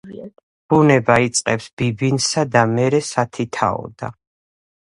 ბუნება იწყებს ბიბინსა, და მერე სათითაოდა